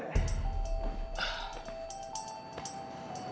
tidak ada yang bisa mengingatkan